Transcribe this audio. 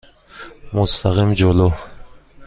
مستقیم جلو.